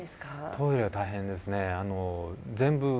トイレは大変ですね。